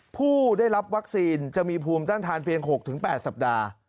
ผู้ได้รับวัคซีนจะมีภูมิต้านทานเพียง๖๘สัปดาห์